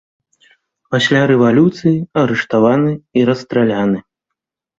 Пасля рэвалюцыі арыштаваны і расстраляны.